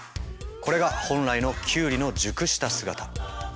これが本来のキュウリの熟した姿。